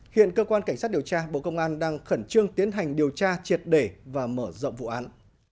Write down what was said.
hiện cơ quan cảnh sát điều tra bộ công an đang khẩn trương tiến hành điều tra triệt để và mở rộng vụ án